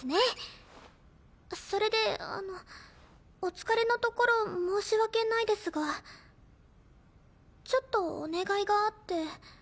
それであのお疲れのところ申し訳ないですがちょっとお願いがあって。